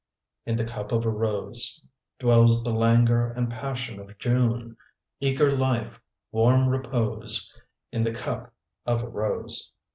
In the cup of a rose Dwells the languor and passion of June, Eager life, warm repose, In the cup of a rose.